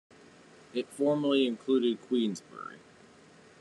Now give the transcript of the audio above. It formerly included Queensbury.